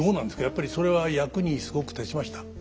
やっぱりそれは役にすごく立ちました？